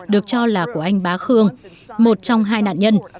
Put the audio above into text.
được cho là của anh bá khương một trong hai nạn nhân